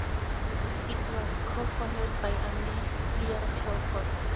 It was cofounded by Amelia Telford.